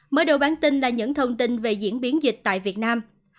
mở đầu bản tin là những thông tin về diễn biến dịch tại việt nam